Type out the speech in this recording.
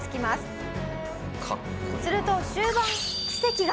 すると終盤奇跡が。